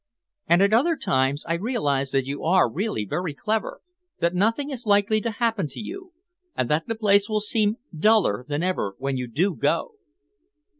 And at other times I realise that you are really very clever, that nothing is likely to happen to you, and that the place will seem duller than ever when you do go."